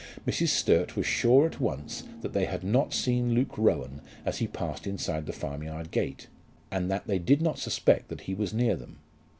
Mrs. Sturt was sure at once that they had not seen Luke Rowan as he passed inside the farmyard gate, and that they did not suspect that he was near them.